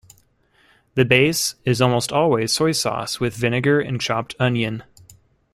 The base is almost always soy sauce with vinegar and chopped onion.